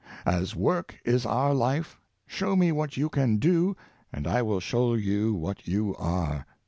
As work is our life, show me what you can do, and I will show you what you are.